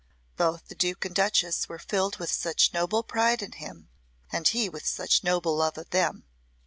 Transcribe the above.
Both the Duke and Duchess were filled with such noble pride in him and he with such noble love of them.